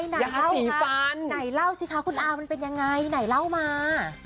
ไหนสีฟันไหนเล่าสิคะคุณอามันเป็นยังไงไหนเล่ามา